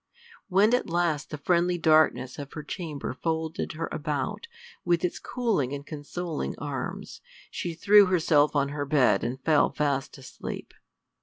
When at last the friendly darkness of her chamber folded her about with its cooling and consoling arms, she threw herself on her bed and fell fast asleep.